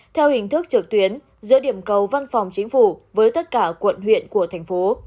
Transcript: theo hình thức trực tuyến giữa điểm cầu văn phòng chính phủ với tất cả quận huyện của thành phố